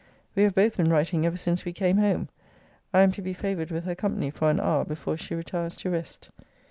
We have both been writing ever since we came home. I am to be favoured with her company for an hour, before she retires to rest.